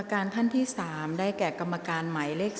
กรรมการท่านที่๔ได้แก่กรรมการหมายเลข๒นะคะ